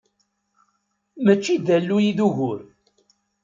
Mačči d alluy i d ugur.